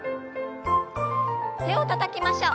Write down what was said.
手をたたきましょう。